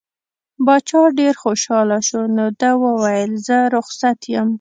باچا ډېر خوشحاله شو نو ده وویل زه رخصت یم.